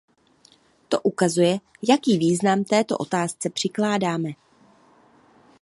To ukazuje, jaký význam této otázce přikládáme.